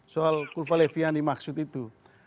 soal kulfa levis yang dimaksud itu